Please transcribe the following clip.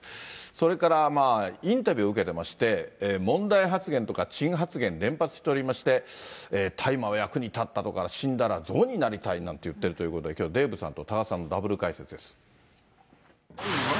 それから、インタビューを受けてまして、問題発言とか、珍発言連発しておりまして、大麻は役に立ったとか、死んだら象になりたいなんて言ってるってことで、きょう、デーブさんと多賀さんのダブル解説です。